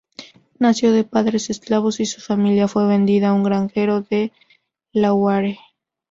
Nació de padres esclavos y su familia fue vendida a un granjero de Delaware.